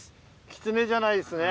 きつねじゃないですね。